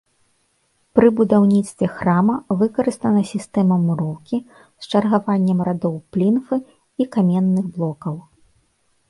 Пры будаўніцтве храма выкарыстана сістэма муроўкі з чаргаваннем радоў плінфы і каменных блокаў.